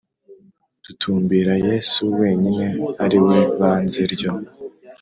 dutumbira Yesu wenyine ari we Banze ryo